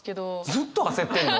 ずっと焦ってんの！？